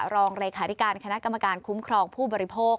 รองเลขาธิการคณะกรรมการคุ้มครองผู้บริโภค